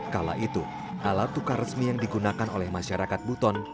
kala itu alat tukar resmi yang digunakan oleh masyarakat buton